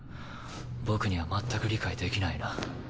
僕にはまったく理解できないな。